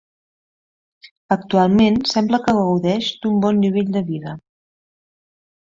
Actualment sembla que gaudeix d'un bon nivell de vida.